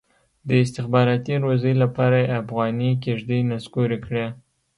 د استخباراتي روزۍ لپاره یې افغاني کېږدۍ نسکورې کړي.